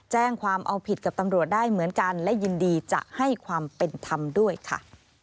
แจ้งความเอาผิดกับตำรวจได้เหมือนกันและยินดีจะให้ความเป็นธรรมด้วยค่ะ